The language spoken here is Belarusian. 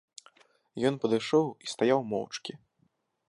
Ён падышоў і стаяў моўчкі.